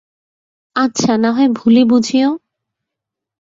আচ্ছা, নাহয় ভুলই বুঝিয়ো।